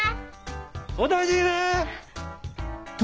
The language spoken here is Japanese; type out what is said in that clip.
お大事にね！